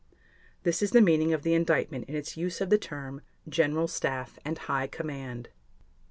This is the meaning of the Indictment in its use of the term "General Staff and High Command".